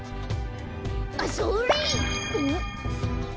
あっそれ！